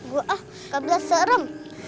gua ah kabelah serem